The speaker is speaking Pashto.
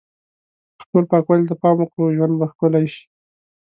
که ټول پاکوالی ته پام وکړو، ژوند به ښکلی شي.